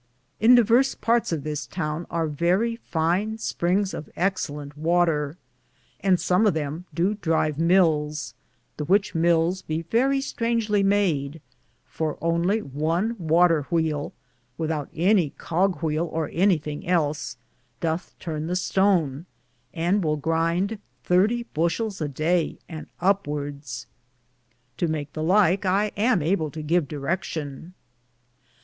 In diverse partes of the toune are verrie fine Springs of exelente watter, and som of them do drive myls, the which myls be verrie straingly made, for only one water whele, withoute any cogwhele or anythinge els, dothe turne the stone, and will grinde 30 bushils a daye and upwards. To make the like I am able to giv direckion.